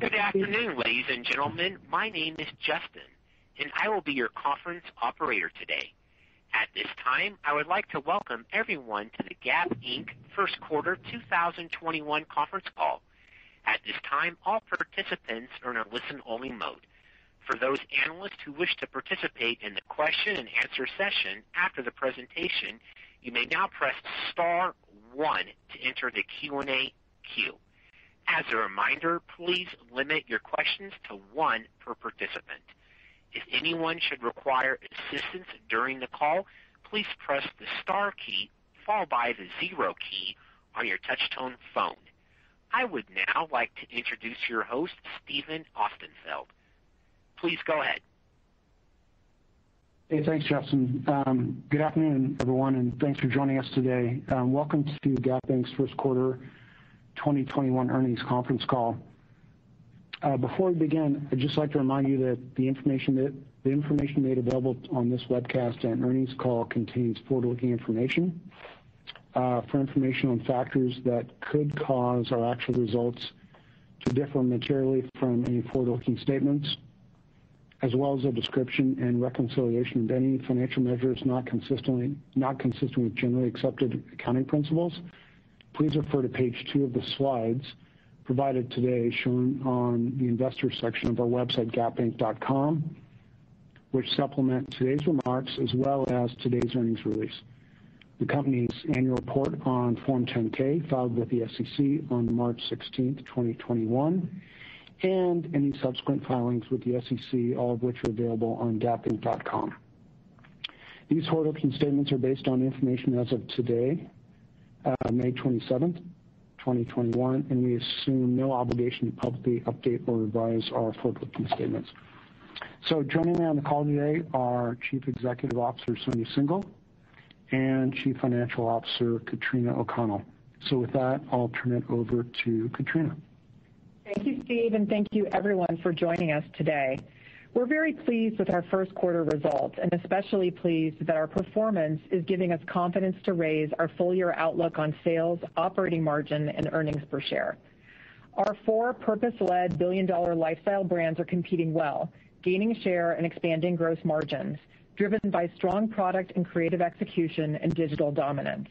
Good afternoon, ladies and gentlemen. My name is Justin, and I will be your conference operator today. At this time, I would like to welcome everyone to The Gap, Inc. First quarter 2021 conference call. At this time, all participants are in a listen only mode. For those analysts who wish to participate in the question and answer session after the presentation, you may now press star one to enter the Q&A queue. As a reminder, please limit your questions to one per participant. If anyone should require assistance during the call, please press the star key followed by the zero key on your touchtone phone. I would now like to introduce your host, Steven Austenfeld. Please go ahead. Hey, thanks Justin. Good afternoon, everyone, and thanks for joining us today, and welcome to The Gap Inc. First quarter 2021 earnings conference call. Before we begin, I'd just like to remind you that the information made available on this webcast and earnings call contains forward-looking information. For information on factors that could cause our actual results to differ materially from any forward-looking statements, as well as a description and reconciliation of any financial measures not consistent with generally accepted accounting principles, please refer to page two of the slides provided today, shown on the Investor Section of our website, gapinc.com, which supplement today's remarks as well as today's earnings release. The company's annual report on Form 10-K filed with the SEC on March 16th, 2021, and any subsequent filings with the SEC, all of which are available on gapinc.com. These forward-looking statements are based on information as of today, May 27th, 2021, and we assume no obligation to publicly update or revise our forward-looking statements. Joining me on the call today are Chief Executive Officer, Sonia Syngal, and Chief Financial Officer, Katrina O'Connell. With that, I'll turn it over to Katrina. Thank you, Steve, and thank you, everyone, for joining us today. We're very pleased with our first quarter results, and especially pleased that our performance is giving us confidence to raise our full-year outlook on sales, operating margin, and earnings per share. Our four purpose-led billion-dollar lifestyle brands are competing well, gaining share and expanding gross margins driven by strong product and creative execution and digital dominance.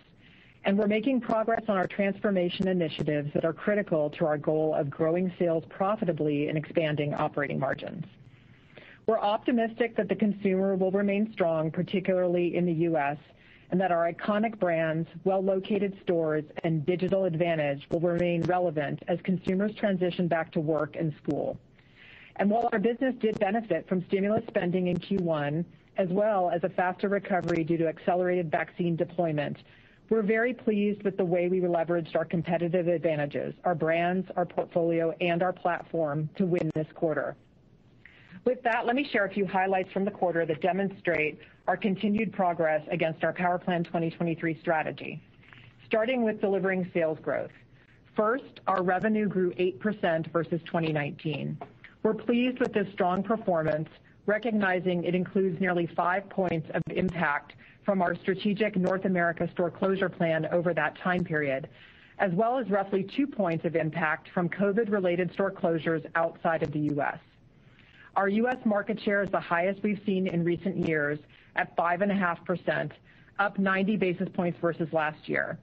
We're making progress on our transformation initiatives that are critical to our goal of growing sales profitably and expanding operating margins. We're optimistic that the consumer will remain strong, particularly in the U.S., and that our iconic brands, well-located stores, and digital advantage will remain relevant as consumers transition back to work and school. While our business did benefit from stimulus spending in Q1 as well as a faster recovery due to accelerated vaccine deployment, we're very pleased with the way we leveraged our competitive advantages, our brands, our portfolio, and our platform to win this quarter. Let me share a few highlights from the quarter that demonstrate our continued progress against our Power Plan 2023 strategy, starting with delivering sales growth. Our revenue grew 8% versus 2019. We're pleased with the strong performance, recognizing it includes nearly five points of impact from our strategic North America store closure plan over that time period, as well as roughly two points of impact from COVID related store closures outside of the U.S. Our U.S. market share is the highest we've seen in recent years at 5.5%, up 90 basis points versus last year.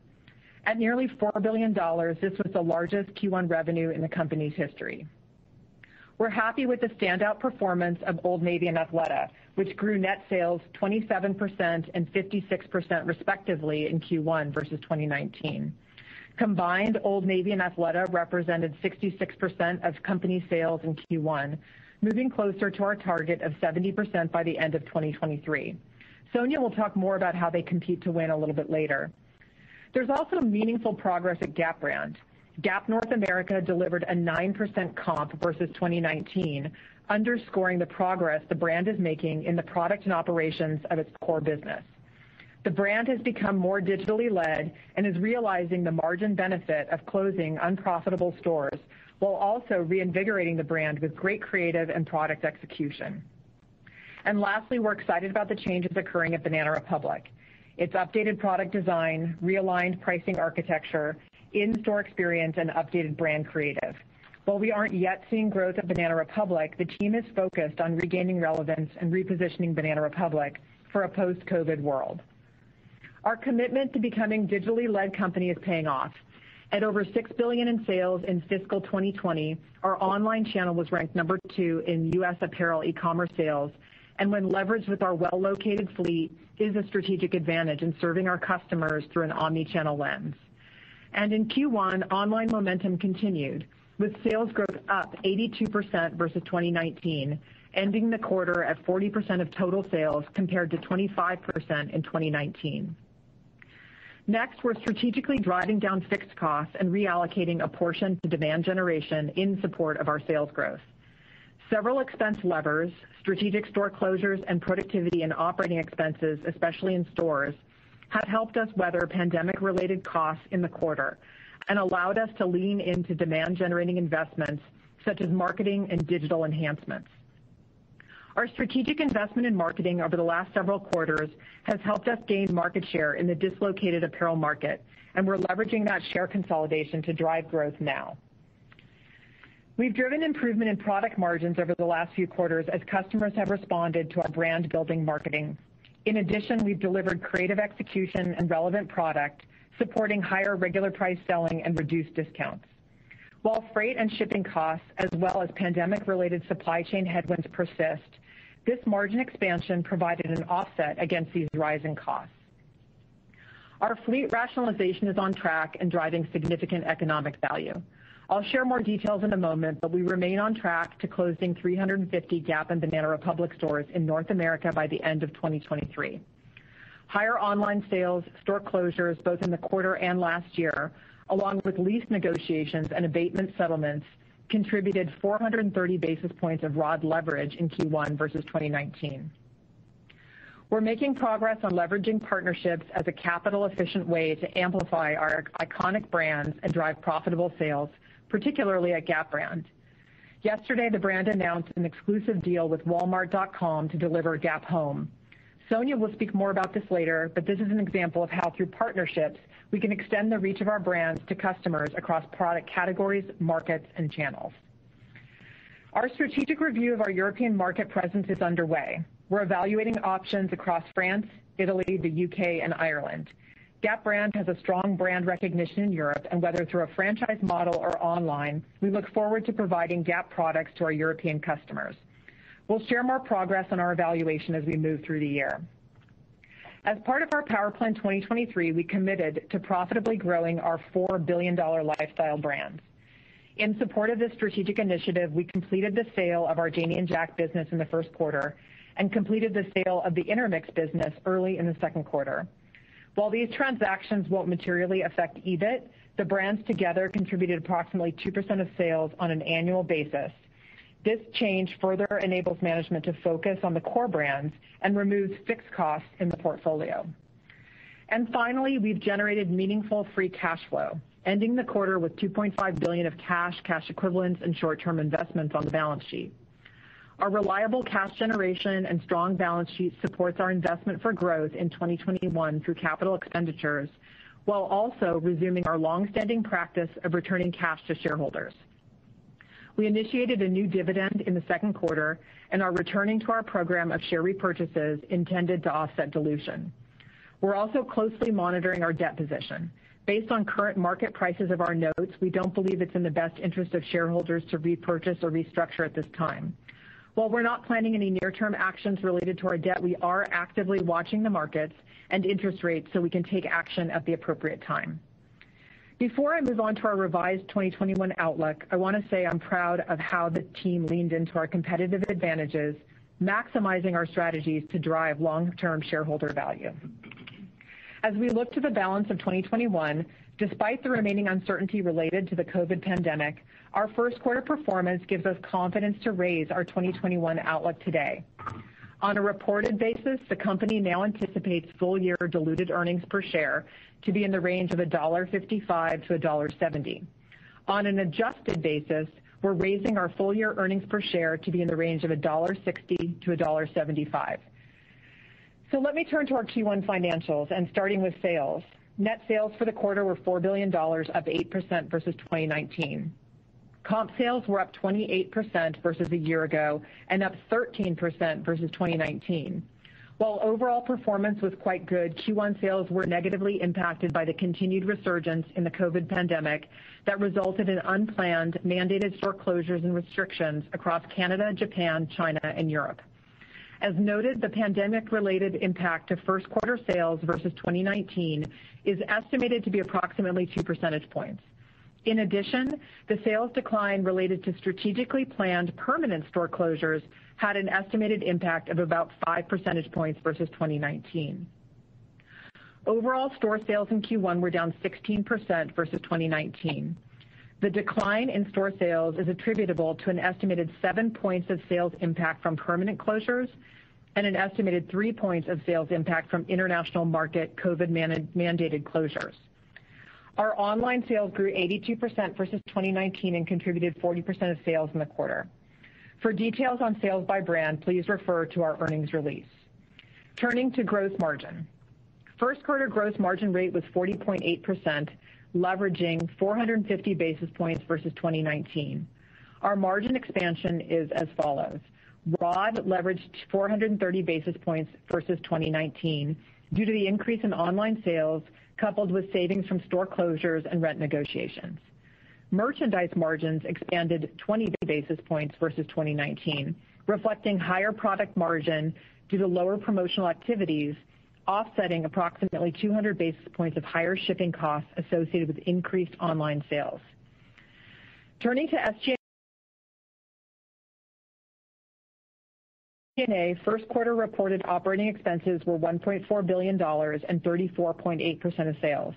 At nearly $4 billion, this was the largest Q1 revenue in the company's history. We're happy with the standout performance of Old Navy and Athleta, which grew net sales 27% and 56% respectively in Q1 versus 2019. Combined, Old Navy and Athleta represented 66% of company sales in Q1, moving closer to our target of 70% by the end of 2023. Sonia will talk more about how they compete to win a little bit later. There's also meaningful progress at Gap brand. Gap North America delivered a 9% comp versus 2019, underscoring the progress the brand is making in the product and operations of its core business. The brand has become more digitally led and is realizing the margin benefit of closing unprofitable stores while also reinvigorating the brand with great creative and product execution. Lastly, we're excited about the changes occurring at Banana Republic. Its updated product design, realigned pricing architecture, in-store experience, and updated brand creative. While we aren't yet seeing growth at Banana Republic, the team is focused on regaining relevance and repositioning Banana Republic for a post-COVID world. Our commitment to becoming a digitally led company is paying off. At over $6 billion in sales in fiscal 2020, our online channel was ranked number two in U.S. apparel e-commerce sales, and when leveraged with our well-located fleet, is a strategic advantage in serving our customers through an omnichannel lens. In Q1, online momentum continued with sales growth up 82% versus 2019, ending the quarter at 40% of total sales compared to 25% in 2019. Next, we're strategically driving down fixed costs and reallocating a portion to demand generation in support of our sales growth. Several expense levers, strategic store closures, and productivity and operating expenses, especially in stores, have helped us weather pandemic related costs in the quarter and allowed us to lean into demand generating investments such as marketing and digital enhancements. Our strategic investment in marketing over the last several quarters has helped us gain market share in the dislocated apparel market, and we're leveraging that share consolidation to drive growth now. We've driven improvement in product margins over the last few quarters as customers have responded to our brand-building marketing. In addition, we've delivered creative execution and relevant product, supporting higher regular price selling and reduced discounts. While freight and shipping costs, as well as pandemic related supply chain headwinds persist, this margin expansion provided an offset against these rising costs. Our fleet rationalization is on track and driving significant economic value. I'll share more details in a moment. We remain on track to closing 350 Gap and Banana Republic stores in North America by the end of 2023. Higher online sales, store closures, both in the quarter and last year, along with lease negotiations and abatement settlements, contributed 430 basis points of raw leverage in Q1 versus 2019. We're making progress on leveraging partnerships as a capital efficient way to amplify our iconic brands and drive profitable sales, particularly at Gap brand. Yesterday, the brand announced an exclusive deal with walmart.com to deliver Gap Home. Sonia will speak more about this later. This is an example of how through partnerships, we can extend the reach of our brands to customers across product categories, markets, and channels. Our strategic review of our European market presence is underway. We're evaluating options across France, Italy, the U.K., and Ireland. Gap brand has a strong brand recognition in Europe, and whether through a franchise model or online, we look forward to providing Gap products to our European customers. We'll share more progress on our evaluation as we move through the year. As part of our Power Plan 2023, we committed to profitably growing our $4 billion lifestyle brands. In support of this strategic initiative, we completed the sale of our Janie and Jack business in the first quarter, and completed the sale of the Intermix business early in the second quarter. While these transactions won't materially affect EBIT, the brands together contributed approximately 2% of sales on an annual basis. This change further enables management to focus on the core brands, and removes fixed costs in the portfolio. Finally, we've generated meaningful free cash flow, ending the quarter with $2.5 billion of cash equivalents, and short-term investments on the balance sheet. Our reliable cash generation and strong balance sheet supports our investment for growth in 2021 through capital expenditures, while also resuming our long-standing practice of returning cash to shareholders. We initiated a new dividend in the second quarter and are returning to our program of share repurchases intended to offset dilution. We're also closely monitoring our debt position. Based on current market prices of our notes, we don't believe it's in the best interest of shareholders to repurchase or restructure at this time. While we're not planning any near-term actions related to our debt, we are actively watching the markets and interest rates so we can take action at the appropriate time. Before I move on to our revised 2021 outlook, I want to say I'm proud of how the team leaned into our competitive advantages, maximizing our strategies to drive long-term shareholder value. As we look to the balance of 2021, despite the remaining uncertainty related to the COVID pandemic, our first quarter performance gives us confidence to raise our 2021 outlook today. On a reported basis, the company now anticipates full year diluted earnings per share to be in the range of $1.55-$1.70. On an adjusted basis, we're raising our full year earnings per share to be in the range of $1.60-$1.75. Let me turn to our Q1 financials, and starting with sales. Net sales for the quarter were $4 billion, up 8% versus 2019. Comp sales were up 28% versus a year ago, and up 13% versus 2019. While overall performance was quite good, Q1 sales were negatively impacted by the continued resurgence in the COVID pandemic that resulted in unplanned mandated store closures and restrictions across Canada, Japan, China, and Europe. As noted, the pandemic related impact to first quarter sales versus 2019 is estimated to be approximately two percentage points. In addition, the sales decline related to strategically planned permanent store closures had an estimated impact of about five percentage points versus 2019. Overall store sales in Q1 were down 16% versus 2019. The decline in store sales is attributable to an estimated seven points of sales impact from permanent closures and an estimated three points of sales impact from international market COVID mandated closures. Our online sales grew 82% versus 2019 and contributed 40% of sales in the quarter. For details on sales by brand, please refer to our earnings release. Turning to gross margin. First quarter gross margin rate was 40.8%, leveraging 450 basis points versus 2019. Our margin expansion is as follows. Rent leveraged 430 basis points versus 2019 due to the increase in online sales coupled with savings from store closures and rent negotiations. Merchandise margins expanded 22 basis points versus 2019, reflecting higher product margin due to lower promotional activities, offsetting approximately 200 basis points of higher shipping costs associated with increased online sales. Turning to SG&A. First quarter reported operating expenses were $1.4 billion and 34.8% of sales.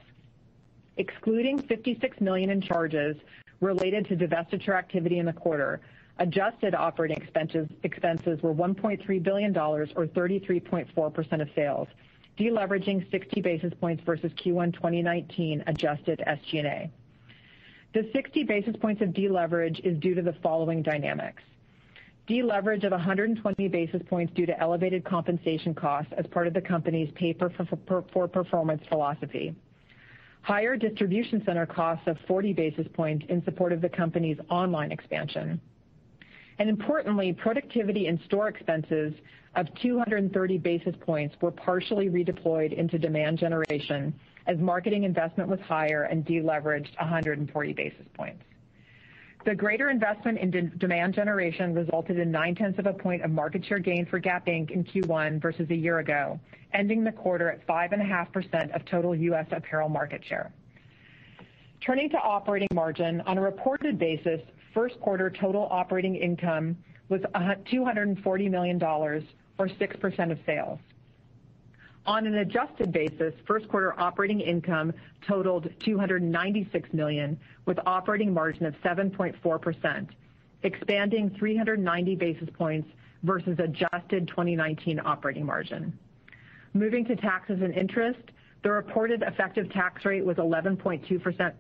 Excluding $56 million in charges related to divestiture activity in the quarter, adjusted operating expenses were $1.3 billion or 33.4% of sales, de-leveraging 60 basis points versus Q1 2019 adjusted SG&A. The 60 basis points of deleverage is due to the following dynamics. Deleverage of 120 basis points due to elevated compensation costs as part of the company's pay-for-performance philosophy. Higher distribution center costs of 40 basis points in support of the company's online expansion. Importantly, productivity and store expenses of 230 basis points were partially redeployed into demand generation as marketing investment was higher and deleveraged 140 basis points. The greater investment in demand generation resulted in 0.9 of a point of market share gain for Gap Inc. in Q1 versus a year ago, ending the quarter at 5.5% of total U.S. apparel market share. Turning to operating margin. On a reported basis, first quarter total operating income was $240 million or 6% of sales. On an adjusted basis, first quarter operating income totaled $296 million, with operating margin of 7.4%, expanding 390 basis points versus adjusted 2019 operating margin. Moving to taxes and interest, the reported effective tax rate was 11.2%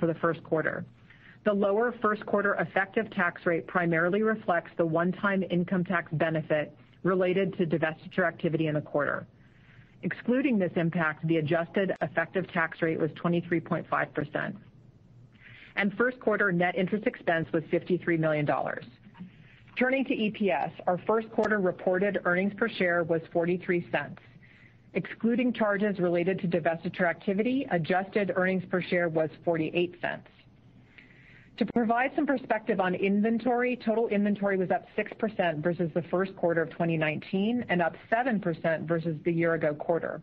for the first quarter. The lower first quarter effective tax rate primarily reflects the one-time income tax benefit related to divestiture activity in the quarter. Excluding this impact, the adjusted effective tax rate was 23.5%. First quarter net interest expense was $53 million. Turning to EPS. Our first quarter reported earnings per share was $0.43. Excluding charges related to divestiture activity, adjusted earnings per share was $0.48. To provide some perspective on inventory, total inventory was up 6% versus the first quarter of 2019 and up 7% versus the year ago quarter.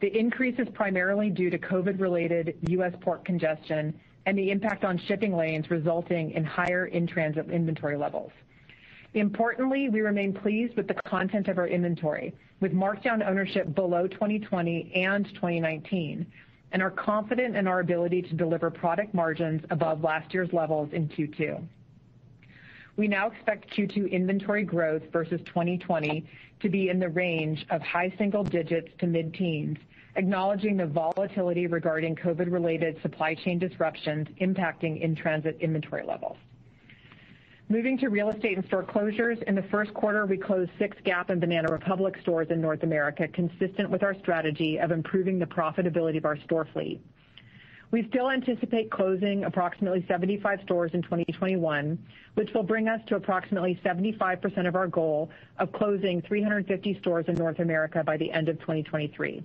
The increase is primarily due to COVID-related U.S. port congestion and the impact on shipping lanes, resulting in higher in-transit inventory levels. Importantly, we remain pleased with the content of our inventory, with markdown ownership below 2020 and 2019, and are confident in our ability to deliver product margins above last year's levels in Q2. We now expect Q2 inventory growth versus 2020 to be in the range of high single digits to mid-teens, acknowledging the volatility regarding COVID-related supply chain disruptions impacting in-transit inventory levels. Moving to real estate and store closures. In the first quarter, we closed six Gap and Banana Republic stores in North America, consistent with our strategy of improving the profitability of our store fleet. We still anticipate closing approximately 75 stores in 2021, which will bring us to approximately 75% of our goal of closing 350 stores in North America by the end of 2023.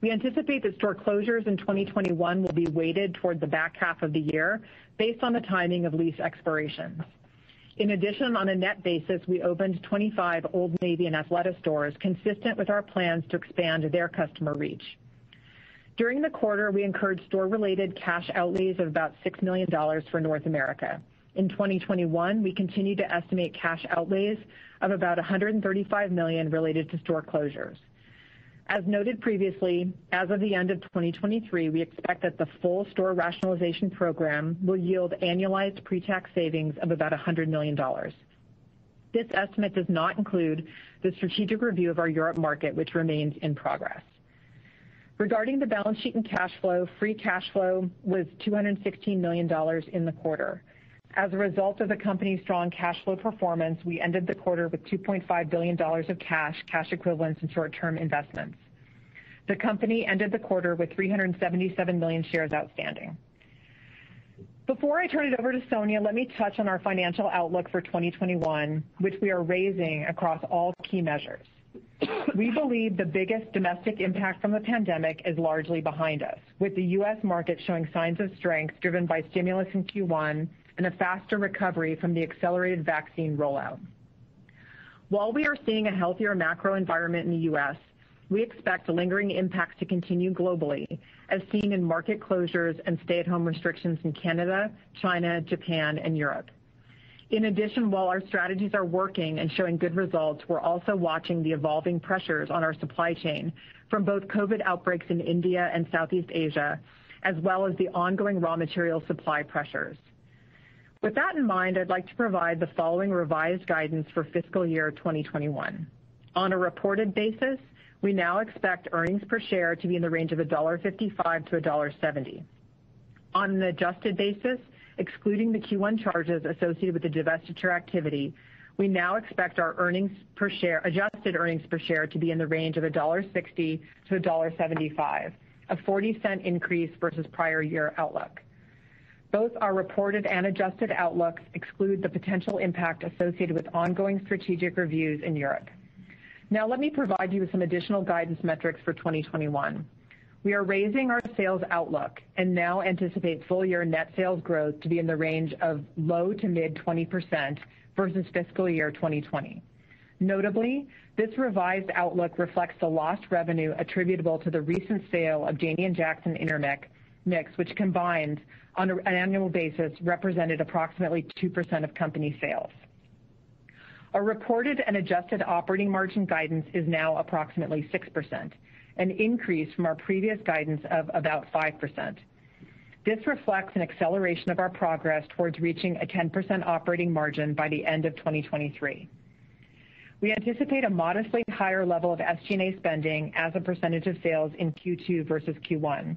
We anticipate the store closures in 2021 will be weighted toward the back half of the year, based on the timing of lease expirations. In addition, on a net basis, we opened 25 Old Navy and Athleta stores, consistent with our plans to expand their customer reach. During the quarter, we incurred store-related cash outlays of about $6 million for North America. In 2021, we continue to estimate cash outlays of about $135 million related to store closures. As noted previously, as of the end of 2023, we expect that the full store rationalization program will yield annualized pre-tax savings of about $100 million. This estimate does not include the strategic review of our Europe market, which remains in progress. Regarding the balance sheet and cash flow, free cash flow was $216 million in the quarter. As a result of the company's strong cash flow performance, we ended the quarter with $2.5 billion of cash equivalents, and short-term investments. The company ended the quarter with 377 million shares outstanding. Before I turn it over to Sonia, let me touch on our financial outlook for 2021, which we are raising across all key measures. We believe the biggest domestic impact from the pandemic is largely behind us, with the U.S. market showing signs of strength driven by stimulus in Q1 and a faster recovery from the accelerated vaccine rollout. While we are seeing a healthier macro environment in the U.S., we expect lingering impacts to continue globally, as seen in market closures and stay-at-home restrictions in Canada, China, Japan, and Europe. In addition, while our strategies are working and showing good results, we're also watching the evolving pressures on our supply chain from both COVID outbreaks in India and Southeast Asia, as well as the ongoing raw material supply pressures. With that in mind, I'd like to provide the following revised guidance for fiscal year 2021. On a reported basis, we now expect earnings per share to be in the range of $1.55-$1.70. On an adjusted basis, excluding the Q1 charges associated with the divestiture activity, we now expect our adjusted earnings per share to be in the range of $1.60-$1.75, a $0.40 increase versus prior year outlook. Both our reported and adjusted outlooks exclude the potential impact associated with ongoing strategic reviews in Europe. Now, let me provide you with some additional guidance metrics for 2021. We are raising our sales outlook and now anticipate full year net sales growth to be in the range of low to mid 20% versus fiscal year 2020. Notably, this revised outlook reflects the lost revenue attributable to the recent sale of Janie and Jack and Intermix, which combined, on an annual basis, represented approximately 2% of company sales. Our reported and adjusted operating margin guidance is now approximately 6%, an increase from our previous guidance of about 5%. This reflects an acceleration of our progress towards reaching a 10% operating margin by the end of 2023. We anticipate a modestly higher level of SG&A spending as a percentage of sales in Q2 versus Q1.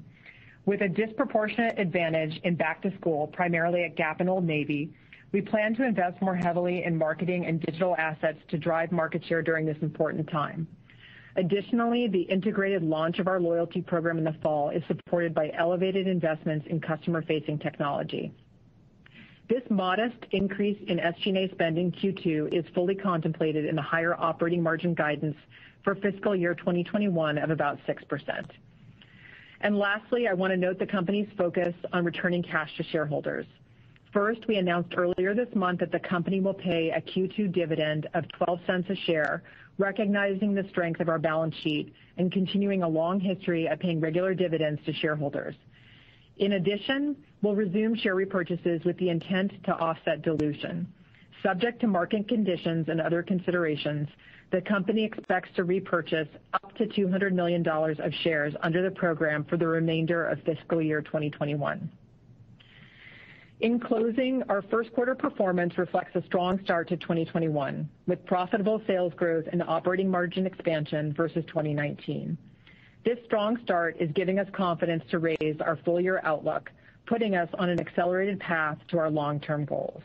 With a disproportionate advantage in back to school, primarily at Gap and Old Navy, we plan to invest more heavily in marketing and digital assets to drive market share during this important time. The integrated launch of our loyalty program in the fall is supported by elevated investments in customer-facing technology. This modest increase in SG&A spending Q2 is fully contemplated in the higher operating margin guidance for fiscal year 2021 of about 6%. Lastly, I want to note the company's focus on returning cash to shareholders. First, we announced earlier this month that the company will pay a Q2 dividend of $0.12 a share, recognizing the strength of our balance sheet and continuing a long history of paying regular dividends to shareholders. In addition, we'll resume share repurchases with the intent to offset dilution. Subject to market conditions and other considerations, the company expects to repurchase up to $200 million of shares under the program for the remainder of fiscal year 2021. In closing, our first quarter performance reflects a strong start to 2021, with profitable sales growth and operating margin expansion versus 2019. This strong start is giving us confidence to raise our full year outlook, putting us on an accelerated path to our long-term goals.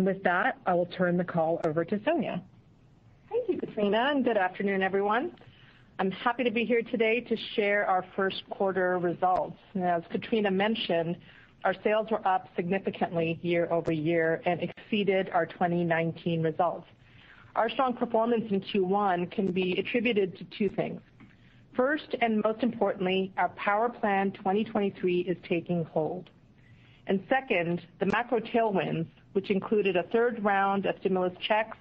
With that, I will turn the call over to Sonia Syngal. Thank you, Katrina. Good afternoon, everyone. I'm happy to be here today to share our first quarter results. As Katrina mentioned, our sales were up significantly year-over-year and exceeded our 2019 results. Our strong performance in Q1 can be attributed to two things. First, and most importantly, our Power Plan 2023 is taking hold. Second, the macro tailwinds, which included a third round of stimulus checks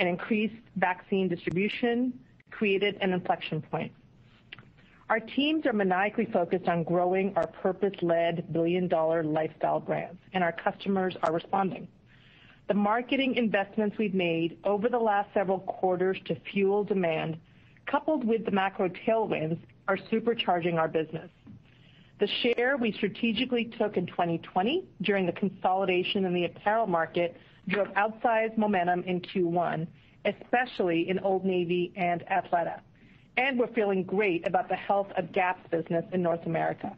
and increased vaccine distribution, created an inflection point. Our teams are maniacally focused on growing our purpose-led billion-dollar lifestyle brands, and our customers are responding. The marketing investments we've made over the last several quarters to fuel demand, coupled with the macro tailwinds, are supercharging our business. The share we strategically took in 2020 during the consolidation in the apparel market drove outsized momentum in Q1, especially in Old Navy and Athleta. We're feeling great about the health of Gap's business in North America.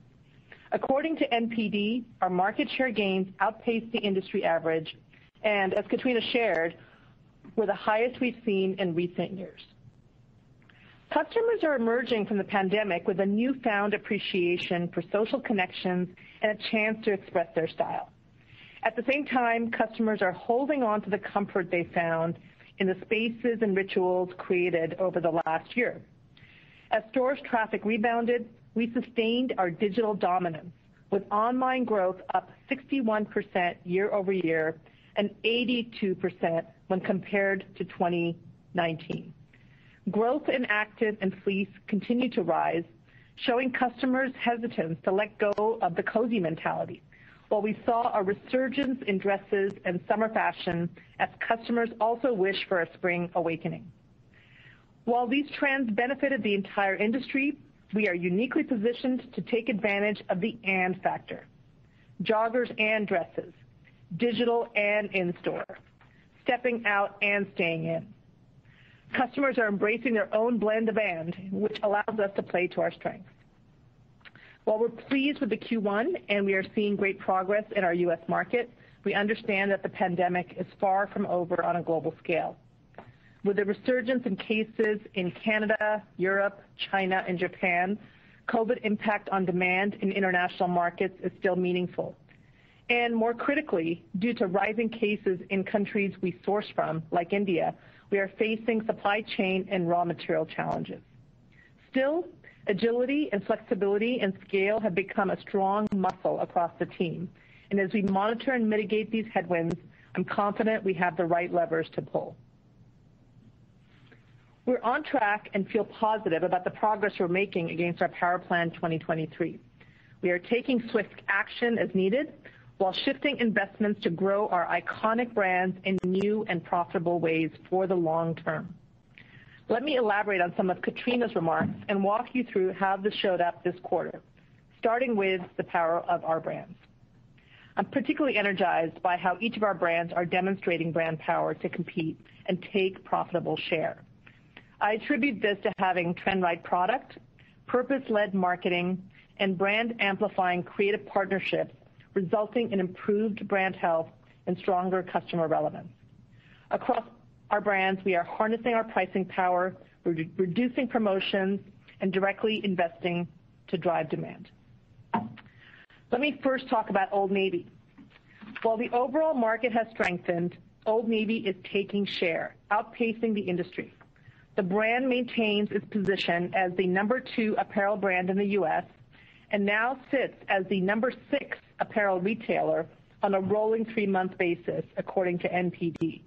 According to NPD, our market share gains outpaced the industry average, and as Katrina shared, were the highest we've seen in recent years. Customers are emerging from the pandemic with a newfound appreciation for social connections and a chance to express their style. At the same time, customers are holding onto the comfort they found in the spaces and rituals created over the last year. As stores traffic rebounded, we sustained our digital dominance with online growth up 61% year-over-year and 82% when compared to 2019. Growth in active and fleece continued to rise, showing customers hesitant to let go of the cozy mentality. We saw a resurgence in dresses and summer fashion as customers also wished for a spring awakening. While these trends benefited the entire industry, we are uniquely positioned to take advantage of the and factor. Joggers and dresses, digital and in-store, stepping out and staying in. Customers are embracing their own blend of and, which allows us to play to our strengths. While we're pleased with the Q1 and we are seeing great progress in our U.S. market, we understand that the pandemic is far from over on a global scale. With a resurgence in cases in Canada, Europe, China, and Japan, COVID impact on demand in international markets is still meaningful. More critically, due to rising cases in countries we source from, like India, we are facing supply chain and raw material challenges. Still, agility and flexibility and scale have become a strong muscle across the team. As we monitor and mitigate these headwinds, I'm confident we have the right levers to pull. We're on track and feel positive about the progress we're making against our Power Plan 2023. We are taking swift action as needed while shifting investments to grow our iconic brands in new and profitable ways for the long term. Let me elaborate on some of Katrina's remarks and walk you through how this showed up this quarter, starting with the power of our brands. I'm particularly energized by how each of our brands are demonstrating brand power to compete and take profitable share. I attribute this to having trend-right product, purpose-led marketing, and brand-amplifying creative partnerships, resulting in improved brand health and stronger customer relevance. Across our brands, we are harnessing our pricing power, reducing promotions, and directly investing to drive demand. Let me first talk about Old Navy. While the overall market has strengthened, Old Navy is taking share, outpacing the industry. The brand maintains its position as the number two apparel brand in the U.S. and now sits as the number six apparel retailer on a rolling three-month basis, according to NPD.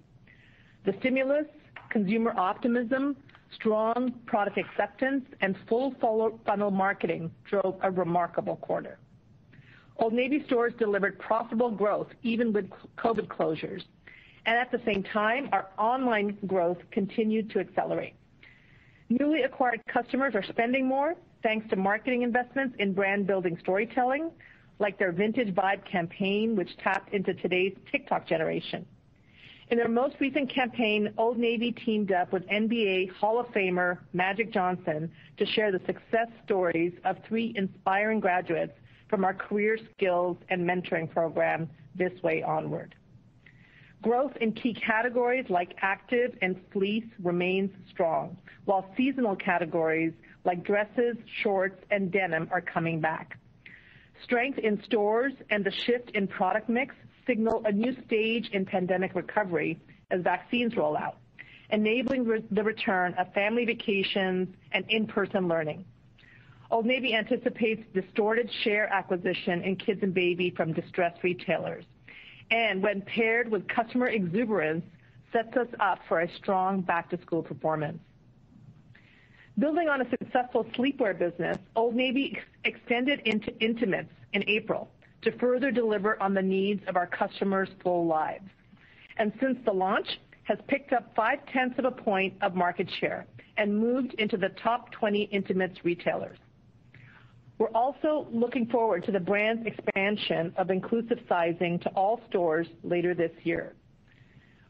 The stimulus, consumer optimism, strong product acceptance, and full funnel marketing drove a remarkable quarter. Old Navy stores delivered profitable growth even with COVID closures. At the same time, our online growth continued to accelerate. Newly acquired customers are spending more thanks to marketing investments in brand-building storytelling, like their vintage vibe campaign, which taps into today's TikTok generation. In their most recent campaign, Old Navy teamed up with NBA Hall of Famer, Magic Johnson, to share the success stories of three inspiring graduates from our career skills and mentoring program, This Way ONward. Growth in key categories like active and fleece remains strong, while seasonal categories like dresses, shorts, and denim are coming back. Strength in stores and the shift in product mix signal a new stage in pandemic recovery as vaccines roll out, enabling the return of family vacations and in-person learning. Old Navy anticipates distorted share acquisition in kids and baby from distressed retailers. When paired with customer exuberance, sets us up for a strong back-to-school performance. Building on a successful sleepwear business, Old Navy extended into intimates in April to further deliver on the needs of our customers' full lives. Since the launch, has picked up five-tenth of a point of market share and moved into the top 20 intimates retailers. We're also looking forward to the brand's expansion of inclusive sizing to all stores later this year.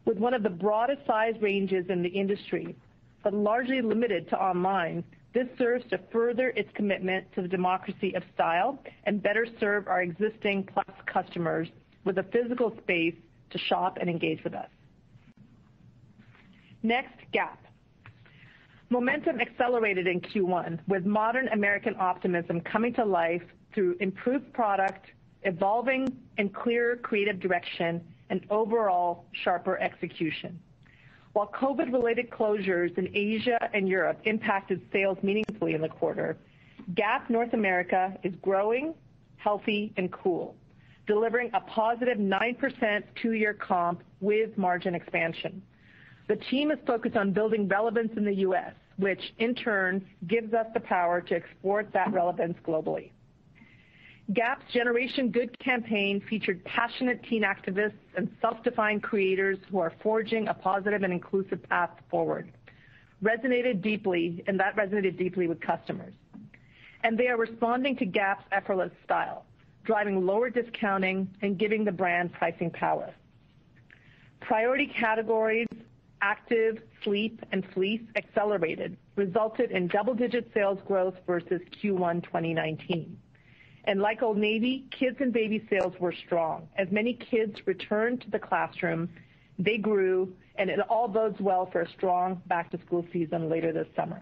With one of the broadest size ranges in the industry, but largely limited to online, this serves to further its commitment to the democracy of style and better serve our existing plus customers with a physical space to shop and engage with us. Gap. Momentum accelerated in Q1 with modern American optimism coming to life through improved product, evolving and clear creative direction, and overall sharper execution. While COVID-related closures in Asia and Europe impacted sales meaningfully in the quarter, Gap North America is growing, healthy, and cool, delivering a positive 9% two-year comp with margin expansion. The team is focused on building relevance in the U.S., which in turn gives us the power to export that relevance globally. Gap's GENERATION GOOD campaign featured passionate teen activists and self-defined creators who are forging a positive and inclusive path forward. That resonated deeply with customers. They are responding to Gap's effortless style, driving lower discounting and giving the brand pricing power. Priority categories, active, sleep and fleece accelerated, resulted in double-digit sales growth versus Q1 2019. Like Old Navy, kids and baby sales were strong. As many kids returned to the classroom, they grew, and it all bodes well for a strong back-to-school season later this summer.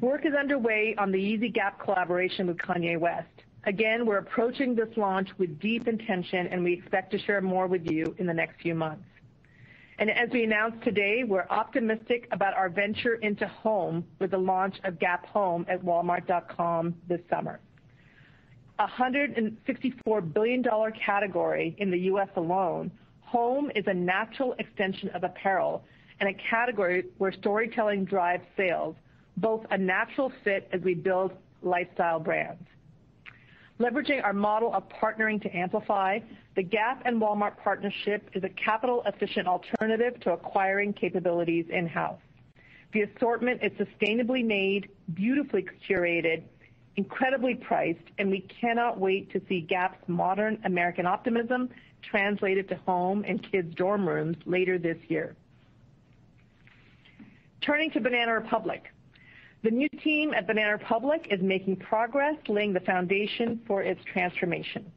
Work is underway on the Yeezy Gap collaboration with Kanye West. Again, we're approaching this launch with deep intention, and we expect to share more with you in the next few months. As we announced today, we're optimistic about our venture into home with the launch of Gap Home at walmart.com this summer. $164 billion category in the U.S. alone, home is a natural extension of apparel and a category where storytelling drives sales, both a natural fit as we build lifestyle brands. Leveraging our model of partnering to amplify, the Gap and Walmart partnership is a capital-efficient alternative to acquiring capabilities in-house. The assortment is sustainably made, beautifully curated, incredibly priced, and we cannot wait to see Gap's modern American optimism translated to home and kids' dorm rooms later this year. Turning to Banana Republic. The new team at Banana Republic is making progress laying the foundation for its transformation.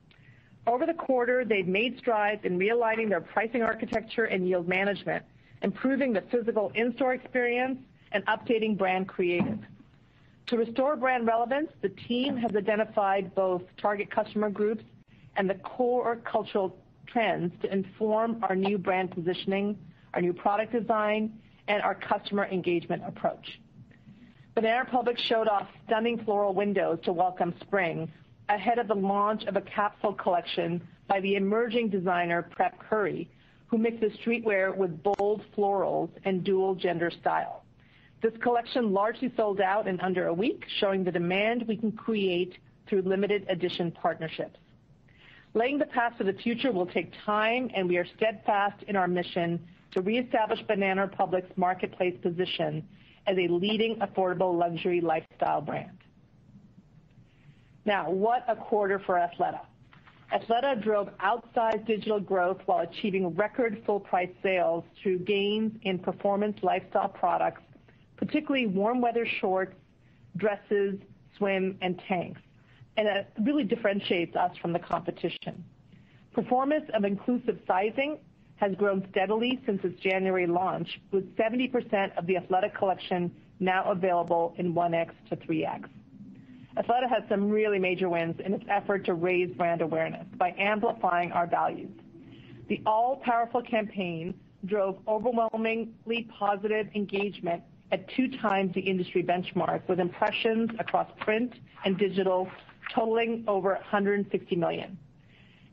Over the quarter, they've made strides in realigning their pricing architecture and yield management, improving the physical in-store experience, and updating brand creative. To restore brand relevance, the team has identified both target customer groups and the core cultural trends to inform our new brand positioning, our new product design, and our customer engagement approach. Banana Republic showed off stunning floral windows to welcome spring ahead of the launch of a capsule collection by the emerging designer, Prep Curry, who mixes streetwear with bold florals and dual gender style. This collection largely sold out in under a week, showing the demand we can create through limited edition partnerships. Laying the path for the future will take time, and we are steadfast in our mission to re-establish Banana Republic's marketplace position as a leading affordable luxury lifestyle brand. Now, what a quarter for Athleta. Athleta drove outsized digital growth while achieving record full price sales through gains in performance lifestyle products, particularly warm weather shorts, dresses, swim, and tanks. That really differentiates us from the competition. Performance of inclusive sizing has grown steadily since its January launch, with 70% of the Athleta collection now available in 1X to 3X. Athleta had some really major wins in its effort to raise brand awareness by amplifying our values. The All Powerful campaign drove overwhelmingly positive engagement at two times the industry benchmark, with impressions across print and digital totaling over 150 million.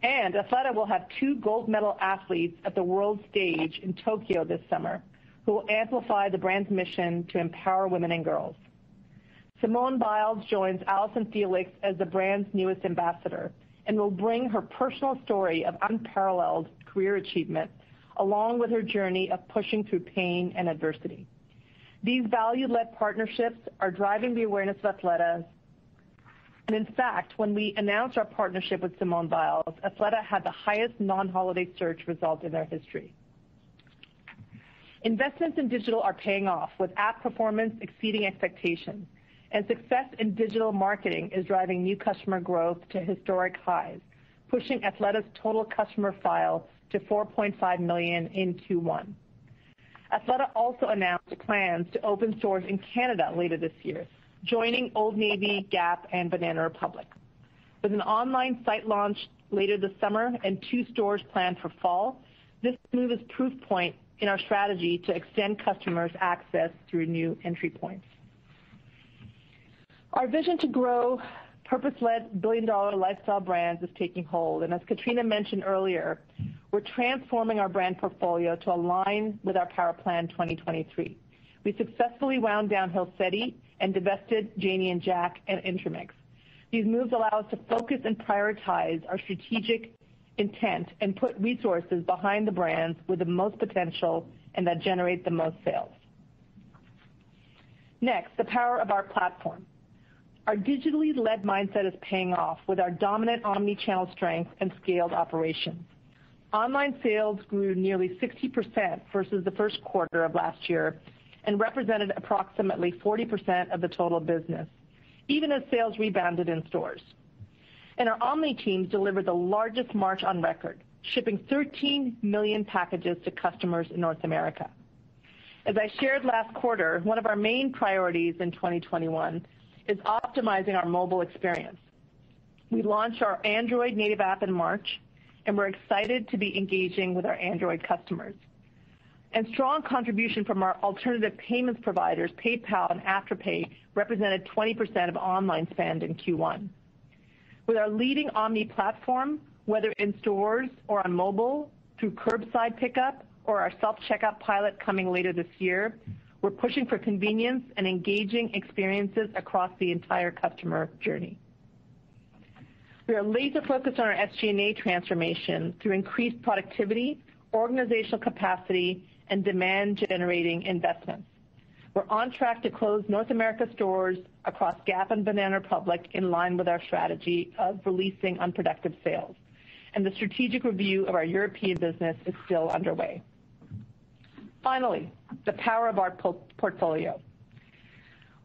Athleta will have two gold medal athletes at the world stage in Tokyo this summer, who will amplify the brand's mission to empower women and girls. Simone Biles joins Allyson Felix as the brand's newest ambassador, and will bring her personal story of unparalleled career achievement, along with her journey of pushing through pain and adversity. These value-led partnerships are driving the awareness of Athleta, and in fact, when we announced our partnership with Simone Biles, Athleta had the highest non-holiday search result in our history. Investments in digital are paying off, with app performance exceeding expectations. Success in digital marketing is driving new customer growth to historic highs, pushing Athleta's total customer files to 4.5 million in Q1. Athleta also announced plans to open stores in Canada later this year, joining Old Navy, Gap, and Banana Republic. With an online site launch later this summer and two stores planned for fall, this move is proof point in our strategy to extend customers access through new entry points. Our vision to grow purpose-led billion-dollar lifestyle brands is taking hold, and as Katrina mentioned earlier, we're transforming our brand portfolio to align with our Power Plan 2023. We successfully wound down Hill City and divested Janie and Jack and Intermix. These moves allow us to focus and prioritize our strategic intent and put resources behind the brands with the most potential and that generate the most sales. Next, the power of our platform. Our digitally led mindset is paying off with our dominant omni-channel strength and scaled operations. Online sales grew nearly 60% versus the first quarter of last year and represented approximately 40% of the total business, even as sales rebounded in stores. Our omni teams delivered the largest March on record, shipping 13 million packages to customers in North America. As I shared last quarter, one of our main priorities in 2021 is optimizing our mobile experience. We launched our Android native app in March, and we're excited to be engaging with our Android customers. Strong contribution from our alternative payments providers, PayPal and Afterpay, represented 20% of online spend in Q1. With our leading omni platform, whether in stores or on mobile through curbside pickup or our self-checkout pilot coming later this year, we're pushing for convenience and engaging experiences across the entire customer journey. We are laser focused on our SG&A transformation to increase productivity, organizational capacity, and demand-generating investments. We're on track to close North America stores across Gap and Banana Republic in line with our strategy of releasing unproductive sales. The strategic review of our European business is still underway. Finally, the power of our portfolio.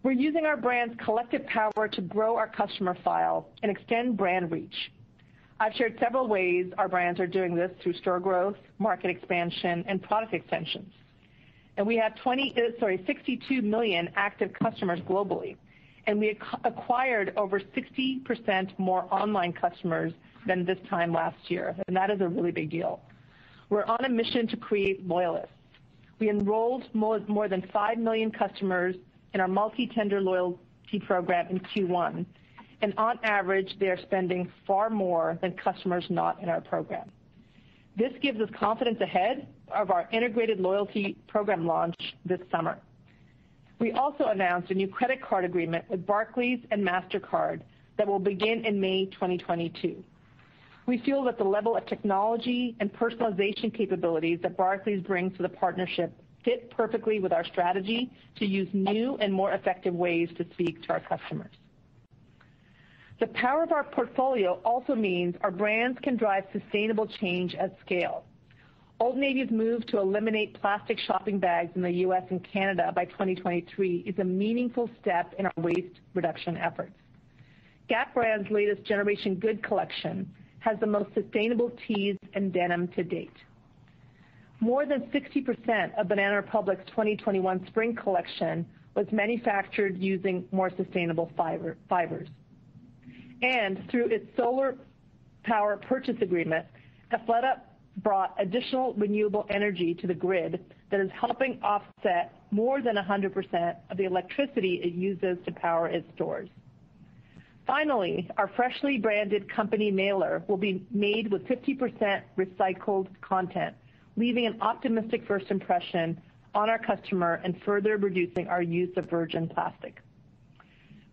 We're using our brands' collective power to grow our customer file and extend brand reach. I've shared several ways our brands are doing this through store growth, market expansion, and product extensions. We have 62 million active customers globally. We acquired over 60% more online customers than this time last year. That is a really big deal. We're on a mission to create loyalists. We enrolled more than 5 million customers in our multi-tender loyalty program in Q1. On average, they are spending far more than customers not in our program. This gives us confidence ahead of our integrated loyalty program launch this summer. We also announced a new credit card agreement with Barclays and Mastercard that will begin in May 2022. We feel that the level of technology and personalization capabilities that Barclays brings to the partnership fit perfectly with our strategy to use new and more effective ways to speak to our customers. The power of our portfolio also means our brands can drive sustainable change at scale. Old Navy's move to eliminate plastic shopping bags in the U.S. and Canada by 2023 is a meaningful step in our waste reduction efforts. Gap brand's latest GENERATION GOOD collection has the most sustainable tees and denim to date. More than 60% of Banana Republic's 2021 spring collection was manufactured using more sustainable fibers. Through its solar power purchase agreement, Athleta brought additional renewable energy to the grid that is helping offset more than 100% of the electricity it uses to power its stores. Finally, our freshly branded company mailer will be made with 50% recycled content, leaving an optimistic first impression on our customer and further reducing our use of virgin plastic.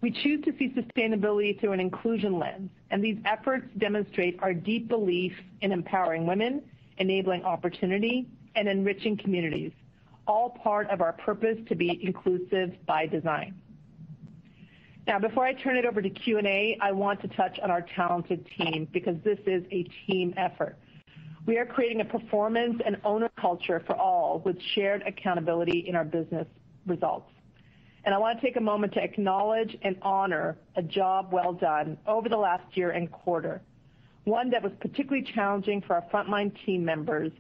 We choose to see sustainability through an inclusion lens, and these efforts demonstrate our deep belief in empowering women, enabling opportunity, and enriching communities, all part of our purpose to be inclusive by design. Now, before I turn it over to Q&A, I want to touch on our talented team, because this is a team effort. We are creating a performance and owner culture for all with shared accountability in our business results. I want to take a moment to acknowledge and honor a job well done over the last year and quarter, one that was particularly challenging for our frontline team members,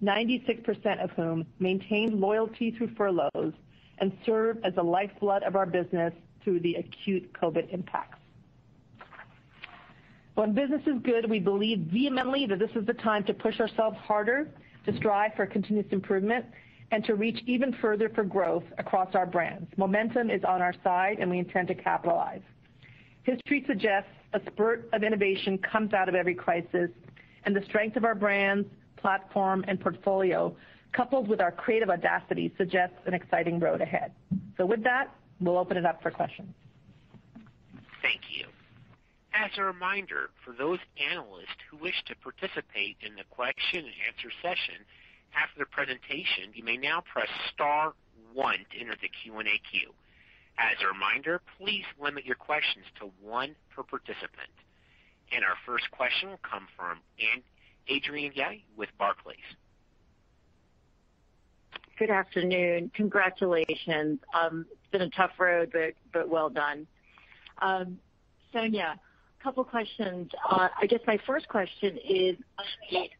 96% of whom maintained loyalty through furloughs and served as the lifeblood of our business through the acute COVID impacts. When business is good, we believe vehemently that this is the time to push ourselves harder, to strive for continuous improvement, and to reach even further for growth across our brands. Momentum is on our side, and we intend to capitalize. History suggests a spurt of innovation comes out of every crisis, and the strength of our brands, platform, and portfolio, coupled with our creative audacity, suggests an exciting road ahead. With that, we'll open it up for questions. Thank you. As a reminder, for those analysts who wish to participate in the Q&A session after the presentation, you may now press star one to enter the Q&A queue. As a reminder, please limit your questions to one per participant. Our first question will come from Adrienne Yih with Barclays. Good afternoon. Congratulations. It's been a tough road, but well done. Sonia, a couple questions. I guess my first question is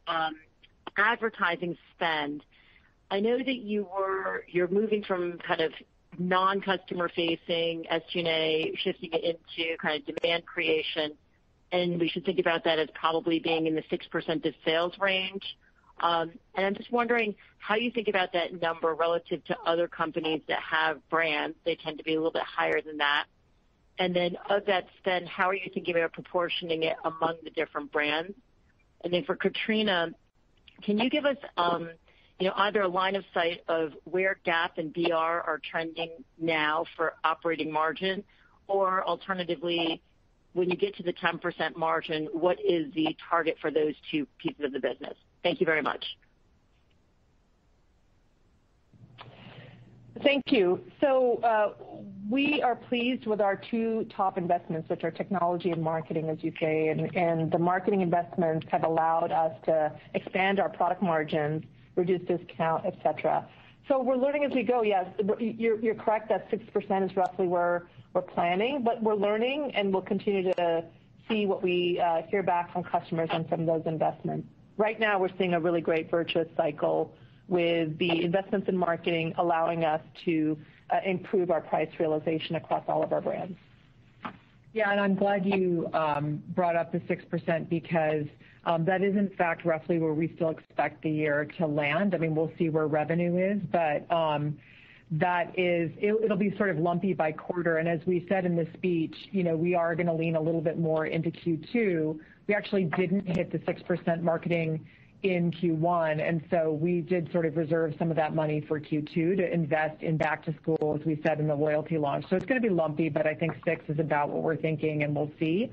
on advertising spend. I know that you're moving from non-customer facing SG&A shifting it into demand creation, and we should think about that as probably being in the 6% of sales range. I'm just wondering how you think about that number relative to other companies that have brands that tend to be a little bit higher than that. Of that spend, how are you thinking about proportioning it among the different brands? For Katrina, can you give us either line of sight of where Gap and BR are trending now for operating margin, or alternatively, when you get to the 10% margin, what is the target for those two pieces of the business? Thank you very much. Thank you. We are pleased with our two top investments, which are technology and marketing, as you say. The marketing investments have allowed us to expand our product margins, reduce discount, et cetera. We're learning as we go. Yes, you're correct that 6% is roughly where we're planning, but we're learning, and we'll continue to see what we hear back from customers on some of those investments. Right now, we're seeing a really great virtuous cycle with the investments in marketing allowing us to improve our price realization across all of our brands. I'm glad you brought up the 6%, because that is in fact roughly where we still expect the year to land. I mean, we'll see where revenue is, but it'll be lumpy by quarter. As we said in the speech, we are going to lean a little bit more into Q2. We actually didn't hit the 6% marketing in Q1, and so we did reserve some of that money for Q2 to invest in back to school, as we said, and the loyalty launch. It's going to be lumpy, but I think 6% is about what we're thinking, and we'll see.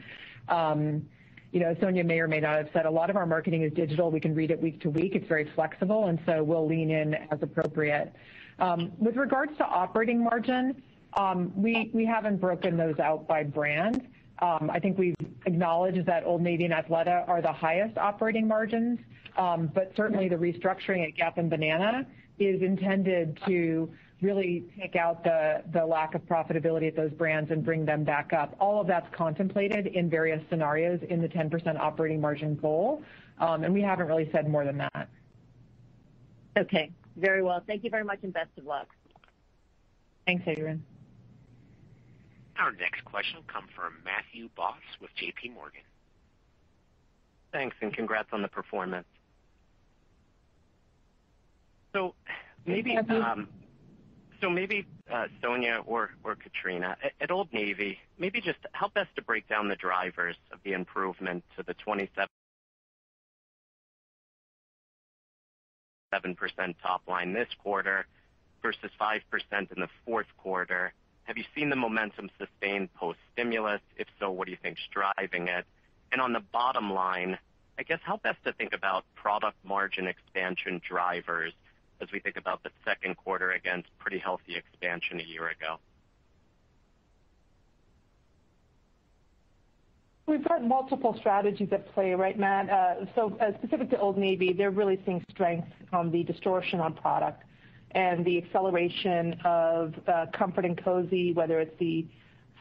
Sonia may or may not have said a lot of our marketing is digital. We can read it week to week. It's very flexible, and so we'll lean in as appropriate. With regards to operating margin, we haven't broken those out by brand. I think we've acknowledged that Old Navy and Athleta are the highest operating margins. Certainly the restructuring at Gap and Banana Republic is intended to really take out the lack of profitability of those brands and bring them back up. All of that's contemplated in various scenarios in the 10% operating margin goal. We haven't really said more than that. Okay, very well. Thank you very much and best of luck. Thanks, Adrienne. Our next question will come from Matthew Boss with JPMorgan. Thanks, and congrats on the performance. Maybe Sonia or Katrina, at Old Navy, maybe just help us to break down the drivers of the improvement to the 27% top line this quarter versus 5% in the fourth quarter. Have you seen the momentum sustained post-stimulus? If so, what do you think is driving it? On the bottom line, I guess help us to think about product margin expansion drivers as we think about the second quarter against pretty healthy expansion a year ago. We've got multiple strategies at play right now. Specifically to Old Navy, they're really seeing strength on the distortion on product and the acceleration of comfort and cozy, whether it's the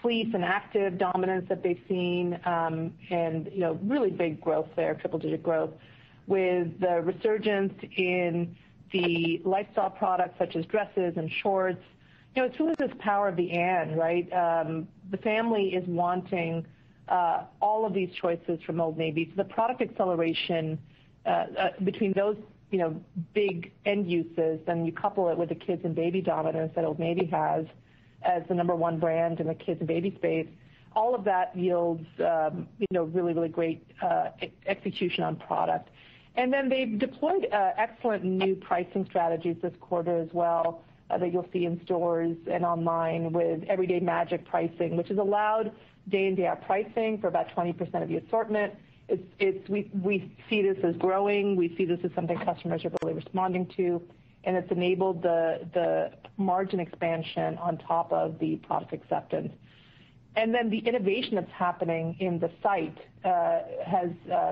fleece and active dominance that they've seen, and really big growth there, triple digit growth, with the resurgence in the lifestyle products such as dresses and shorts. It's really this power of the "and," right? The family is wanting all of these choices from Old Navy. The product acceleration between those big end uses, and you couple it with the kids and baby dominance that Old Navy has as the number one brand in the kids and baby space, all of that yields really great execution on product. They've deployed excellent new pricing strategies this quarter as well that you'll see in stores and online with everyday magic pricing, which has allowed day in day out pricing for about 20% of the assortment. We see this as growing. We see this as something customers are really responding to, and it's enabled the margin expansion on top of the product acceptance. The innovation that's happening in the site has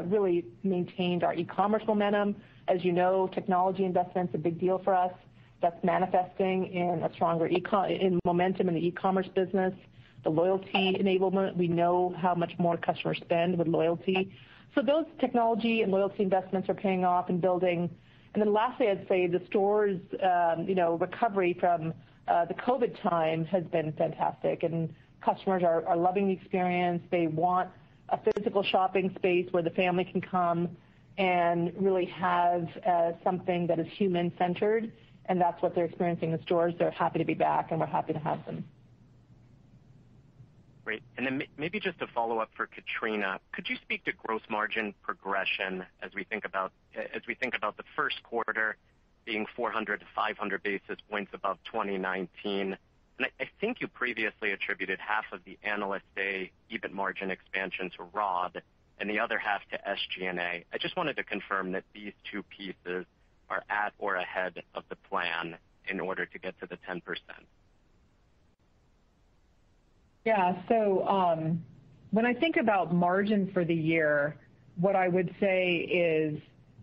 really maintained our e-commerce momentum. As you know, technology investment is a big deal for us. That's manifesting in momentum in the e-commerce business. The loyalty enablement, we know how much more customers spend with loyalty. Those technology and loyalty investments are paying off and building. Lastly, I'd say the stores' recovery from the COVID times has been fantastic, and customers are loving the experience. They want a physical shopping space where the family can come and really have something that is human centered, and that's what they're experiencing in stores. They're happy to be back, and we're happy to have them. Great. Maybe just a follow-up for Katrina. Could you speak to gross margin progression as we think about the first quarter being 400 basis points, 500 basis points above 2019? I think you previously attributed half of the Analyst Day EBIT margin expansion to R&O and the other half to SG&A. I just wanted to confirm that these two pieces are at or ahead of the plan in order to get to the 10%. When I think about margin for the year, what I would say is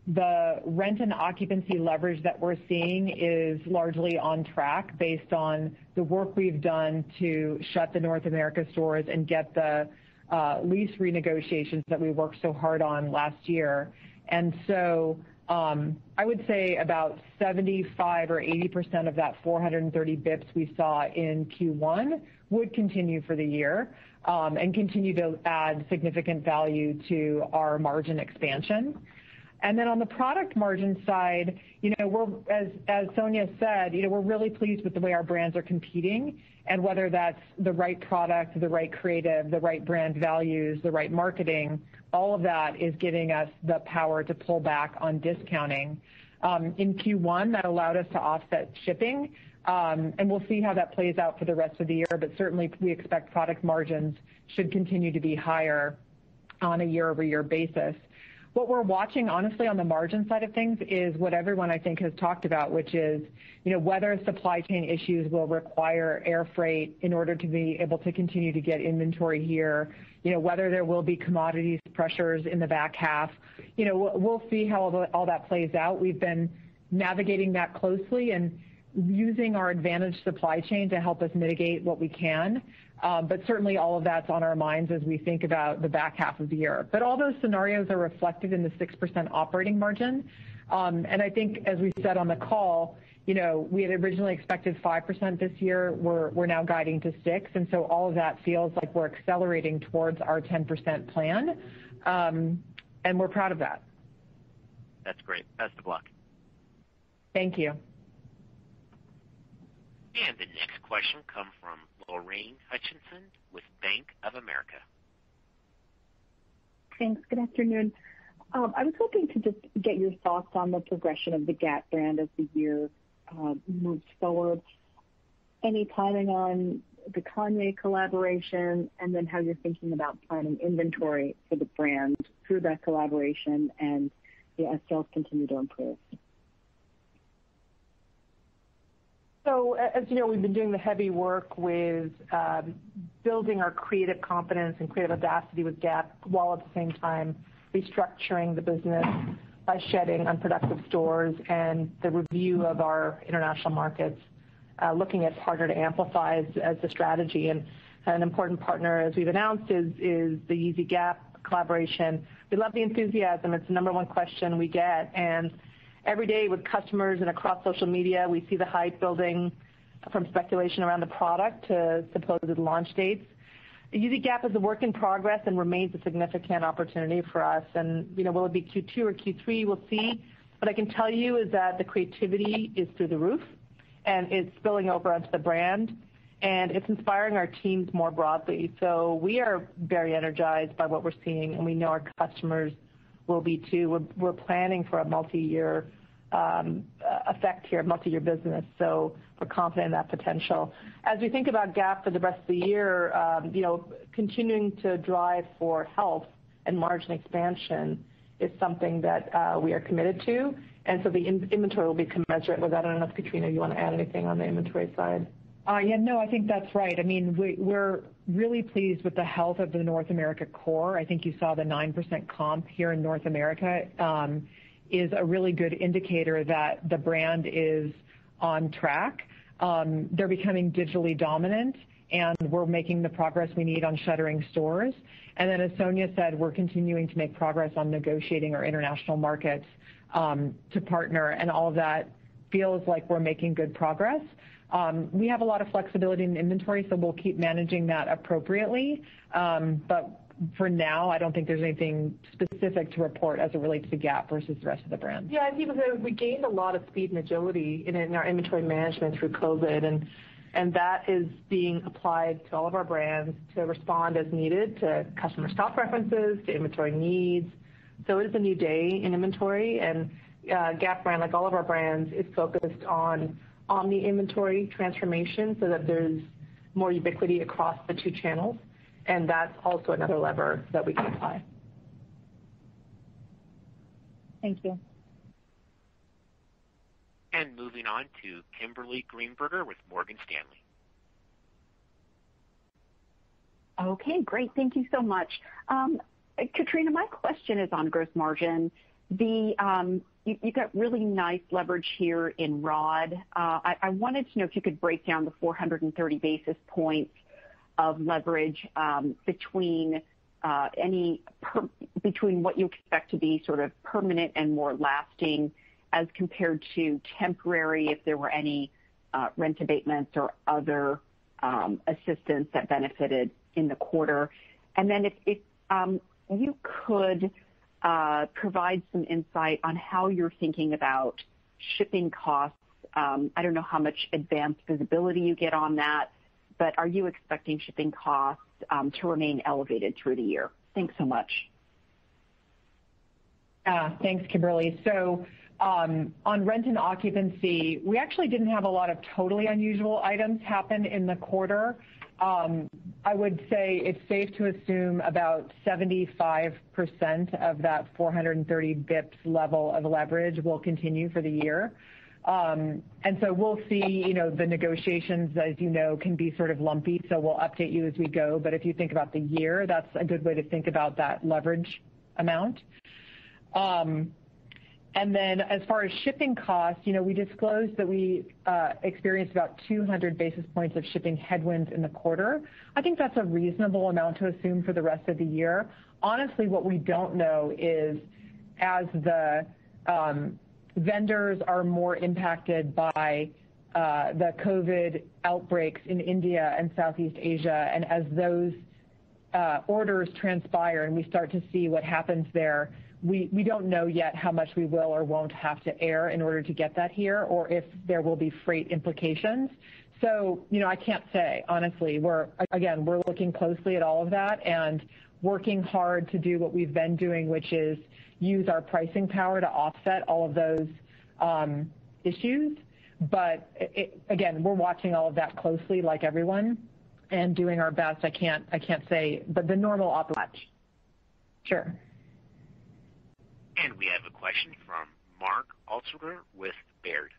the rent and occupancy leverage that we're seeing is largely on track based on the work we've done to shut the North America stores and get the lease renegotiations that we worked so hard on last year. I would say about 75% or 80% of that 430 basis points we saw in Q1 would continue for the year and continue to add significant value to our margin expansion. On the product margin side, as Sonia said, we're really pleased with the way our brands are competing, and whether that's the right product or the right creative, the right brand values, the right marketing, all of that is giving us the power to pull back on discounting. In Q1, that allowed us to offset shipping. We'll see how that plays out for the rest of the year. Certainly, we expect product margins should continue to be higher on a year-over-year basis. What we're watching, honestly, on the margin side of things is what everyone, I think, has talked about, which is whether supply chain issues will require air freight in order to be able to continue to get inventory here, whether there will be commodities pressures in the back half. We'll see how all that plays out. We've been navigating that closely and using our advantage supply chain to help us mitigate what we can. Certainly, all of that's on our minds as we think about the back half of the year. All those scenarios are reflected in the 6% operating margin. I think as we said on the call, we had originally expected 5% this year. We're now guiding to six. All of that feels like we're accelerating towards our 10% plan. We're proud of that. That's great. Thanks a lot. Thank you. The next question comes from Lorraine Hutchinson with Bank of America. Thanks. Good afternoon. I was hoping to just get your thoughts on the progression of the Gap brand as the year moves forward. Any timing on the Kanye collaboration, and then how you're thinking about planning inventory for the brand through that collaboration and the ASP continued improvement. As you know, we've been doing the heavy work with building our creative confidence and creative capacity with Gap, while at the same time restructuring the business by shedding unproductive stores and the review of our international markets, looking at partner to Amplify as a strategy. An important partner, as we've announced, is the Yeezy Gap collaboration. We love the enthusiasm. It's the number one question we get, and every day with customers and across social media, we see the hype building from speculation around the product to supposed launch dates. The Yeezy Gap is a work in progress and remains a significant opportunity for us. Will it be Q2 or Q3? We'll see. What I can tell you is that the creativity is through the roof, and it's spilling over onto the brand, and it's inspiring our teams more broadly. We are very energized by what we are seeing, and we know our customers will be too. We are planning for a multiyear effect here, a multiyear business. We are confident in that potential. As we think about Gap for the rest of the year, continuing to drive for health and margin expansion is something that we are committed to. The inventory will be commensurate with that. I don't know, Katrina, you want to add anything on the inventory side? Yeah, no, I think that is right. We are really pleased with the health of the North America core. I think you saw the 9% comp here in North America is a really good indicator that the brand is on track. They are becoming digitally dominant, and we are making the progress we need on shuttering stores. Then as Sonia said, we're continuing to make progress on negotiating our international markets to partner, and all that feels like we're making good progress. We have a lot of flexibility in inventory, so we'll keep managing that appropriately. But for now, I don't think there's anything specific to report as it relates to Gap versus the rest of the brands. Yeah. We gained a lot of speed and agility in our inventory management through COVID, and that is being applied to all of our brands to respond as needed to customer shop preferences, to inventory needs. It is a new day in inventory, and Gap brand, like all of our brands, is focused on the inventory transformation so that there's more ubiquity across the two channels, and that's also another lever that we can apply. Thank you. Moving on to Kimberly Greenberger with Morgan Stanley. Okay, great. Thank you so much. Katrina, my question is on gross margin. You've got really nice leverage here in R&O. I wanted to know if you could break down the 430 basis points of leverage between what you expect to be sort of permanent and more lasting as compared to temporary, if there were any rent abatements or other assistance that benefited in the quarter. If you could provide some insight on how you're thinking about shipping costs. I don't know how much advanced visibility you get on that, but are you expecting shipping costs to remain elevated through the year? Thanks so much. Thanks, Kimberly. On rent and occupancy, we actually didn't have a lot of totally unusual items happen in the quarter. I would say it's safe to assume about 75% of that 430 basis points level of leverage will continue for the year. We'll see. The negotiations, as you know, can be sort of lumpy, so we'll update you as we go. If you think about the year, that's a good way to think about that leverage amount. As far as shipping costs, we disclosed that we experienced about 200 basis points of shipping headwinds in the quarter. I think that's a reasonable amount to assume for the rest of the year. Honestly, what we don't know is as the vendors are more impacted by the COVID outbreaks in India and Southeast Asia, and as those orders transpire and we start to see what happens there, we don't know yet how much we will or won't have to air in order to get that here, or if there will be freight implications. I can't say. Honestly, again, we're looking closely at all of that and working hard to do what we've been doing, which is use our pricing power to offset all of those issues. Again, we're watching all of that closely like everyone, and doing our best. I can't say, but the normal offset. Sure. We have a question from Mark Altschwager with Baird.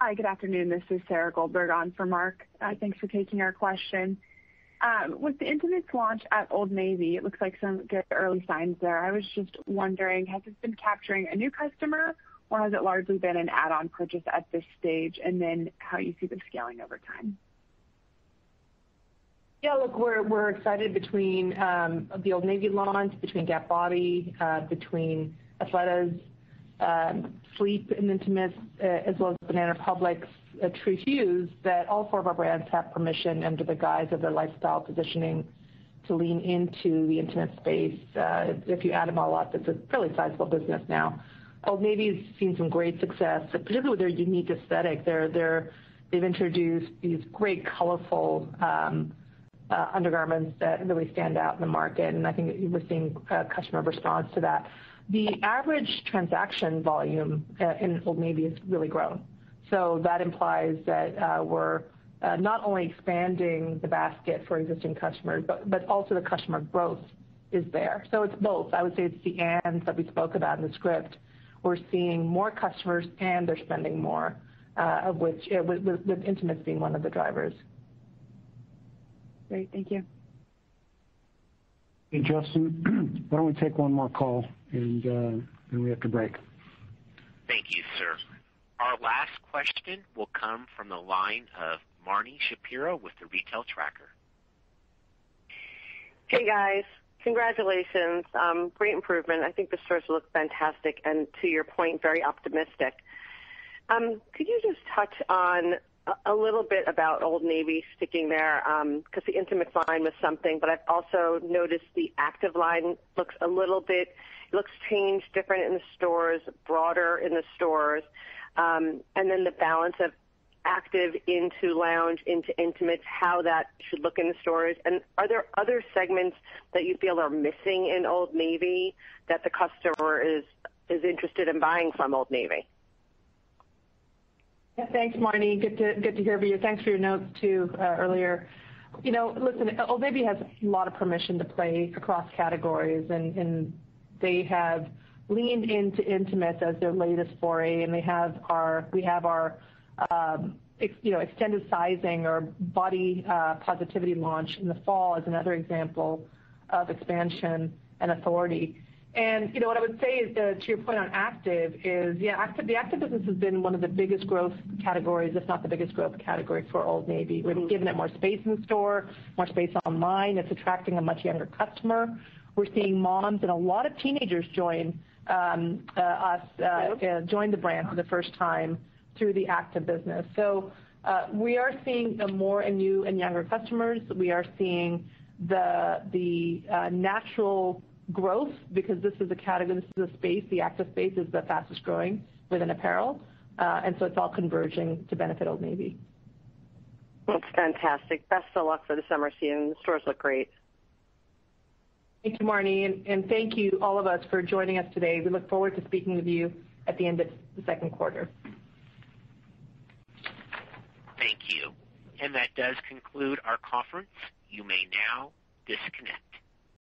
Hi, good afternoon. This is Sarah Goldberg on for Mark. Thanks for taking our question. With the intimates launch at Old Navy, it looks like some good early signs there. I was just wondering, has it been capturing a new customer, or has it largely been an add-on purchase at this stage, and then how you see them scaling over time? We're excited between the Old Navy launch, between GapBody, between Athleta's sleep and intimates, as well as Banana Republic True Hues, that all four of our brands have permission under the guise of their lifestyle positioning to lean into the intimate space. If you add them all up, it's a really sizable business now. Old Navy has seen some great success, particularly with their unique aesthetic. They've introduced these great colorful undergarments that really stand out in the market. I think that we're seeing customer response to that. The average transaction volume in Old Navy has really grown. That implies that we're not only expanding the basket for existing customers, but also the customer growth is there. It's both. I would say it's the ands that we spoke about in the script. We're seeing more customers, and they're spending more, of which, with intimates being one of the drivers. Great. Thank you. Hey, Justin, why don't we take one more call, and then we have to break. Thank you, sir. Our last question will come from the line of Marni Shapiro with The Retail Tracker. Hey, guys. Congratulations. Great improvement. I think the stores look fantastic and to your point, very optimistic. Could you just touch on a little bit about Old Navy, sticking there, because the intimate line is something, but I've also noticed the active line looks changed, different in the stores, broader in the stores. Then the balance of active into lounge into intimates, how that should look in the stores, and are there other segments that you feel are missing in Old Navy that the customer is interested in buying from Old Navy? Yeah. Thanks, Marni. Good to hear from you. Thanks for your note, too, earlier. Listen, Old Navy has a lot of permission to play across categories, and they have leaned into intimates as their latest foray. We have our extended sizing, our body positivity launch in the fall as another example of expansion and authority. I would say to your point on active is, the active business has been one of the biggest growth categories, if not the biggest growth category for Old Navy. We've given it more space in store, more space online. It's attracting a much younger customer. We're seeing moms and a lot of teenagers join the brand for the first time through the active business. We are seeing more new and younger customers. We are seeing the natural growth because this is a category, this is a space, the active space is the fastest growing within apparel. It's all converging to benefit Old Navy. Looks fantastic. Best of luck for the summer season. Stores look great. Thanks, Marni. Thank you, all of us, for joining us today. We look forward to speaking with you at the end of the second quarter. Thank you. That does conclude our conference. You may now disconnect.